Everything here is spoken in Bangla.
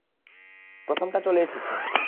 প্রথমটা চলে এসেছে!